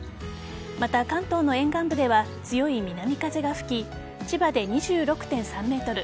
また、関東の沿岸部では強い南風が吹き千葉で２６．３メートル